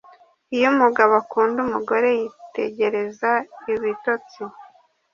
iyo umugabo akunda umugore, yitegereza ibitotsi